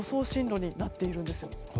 進路になっているんです。